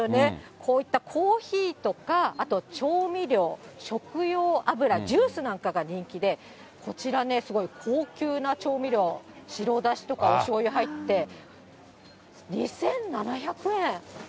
こういったコーヒーとか、あと調味料、食用油、ジュースなんかが人気で、こちらね、すごい高級な調味料、白だしとかおしょうゆ入って、２７００円。